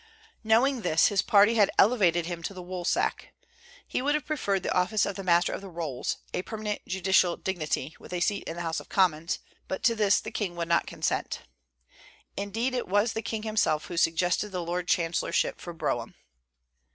Knowing this, his party had elevated him to the woolsack. He would have preferred the office of the Master of the Rolls, a permanent judicial dignity, with a seat in the House of Commons; but to this the king would not consent. Indeed, it was the king himself who suggested the lord chancellorship for Brougham.